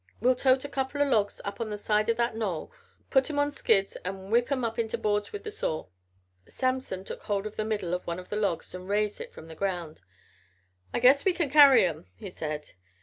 We'll tote a couple of logs up on the side o' that knoll, put 'em on skids an' whip 'em up into boards with the saw." Samson took hold of the middle of one of the logs and raised it from the ground. "I guess we can carry 'em," he said.